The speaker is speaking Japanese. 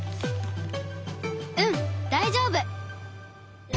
うん大丈夫！